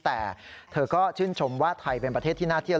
แต่เธอก็ชื่นชมว่าไทยเป็นประเทศที่น่าเที่ยว